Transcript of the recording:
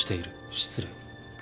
失礼。